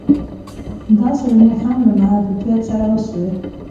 دا څېړني هم له محدویت سره وسوې